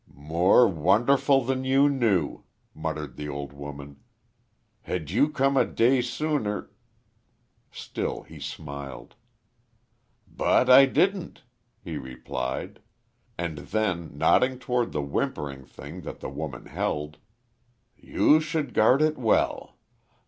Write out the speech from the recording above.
"More wonderful than you knew," muttered the old woman. "Had you come a day sooner " Still he smiled. "But I didn't," he replied; and then nodding toward the whimpering thing that the woman held: "You should guard it well.